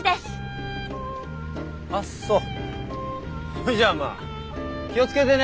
ほいじゃまあ気を付けてね！